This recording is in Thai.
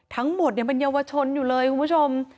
ทั้งหมดยังเป็นเยาวชนอยู่เลยคุณผู้ชม